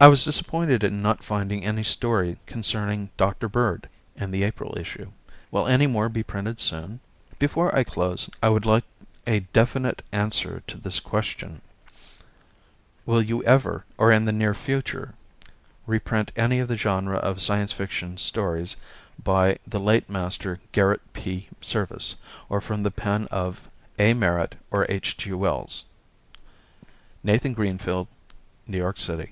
I was disappointed in not finding any story concerning Dr. Bird in the April issue. Will any more be printed soon? Before I close I would like a definite answer to this question: Will you ever, or in the near future, reprint any of the genre of Science Fiction, stories by the late master Garret P. Serviss, or from the pen of A. Merritt and H. G. Wells? Nathan Greenfeld, 313 E. 70th St., New York City.